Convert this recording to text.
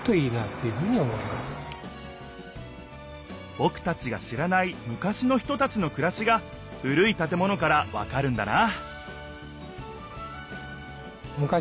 ぼくたちが知らない昔の人たちのくらしが古い建物からわかるんだなあ